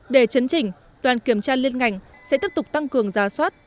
để chấn chỉnh đoàn kiểm tra liên ngành sẽ tiếp tục tăng cường giá soát